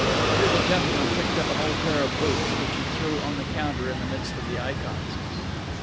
Here the gentleman picked up an old pair of boots, which he threw on the counter in the midst of the ikons.